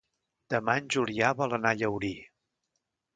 Demà en Julià vol anar a Llaurí.